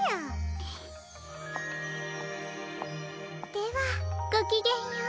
ではごきげんよう。